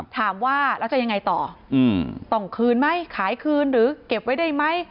ถามว่าแล้วจะยังไงต่อต้องคืนไหมขายคืนหรือเก็บไว้ได้ไหม